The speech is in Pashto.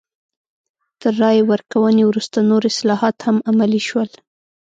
تر رایې ورکونې وروسته نور اصلاحات هم عملي شول.